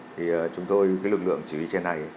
thì chúng tôi lực lượng chỉ huy trên này